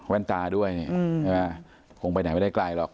แว่นตาด้วยคงไปไหนไม่ได้ไกลหรอก